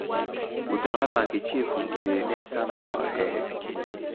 utawala wa kichifu ulienea sana kwa wahehe